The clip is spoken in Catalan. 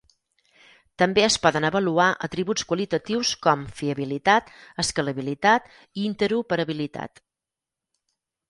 També es poden avaluar atributs qualitatius com fiabilitat, escalabilitat i interoperabilitat.